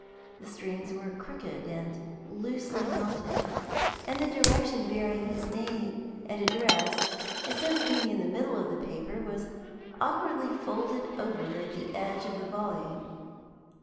The strings were crooked and loosely knotted, and the direction bearing his name and address, instead of being in the middle of the paper, was awkwardly folded over at the edge of the volume.